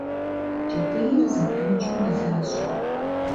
Кӏэтӏийр зэпымычу мэлажьэ.